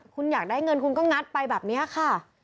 คุณอยากได้เงินคุณก็งัดไปแบบนี้ค่ะ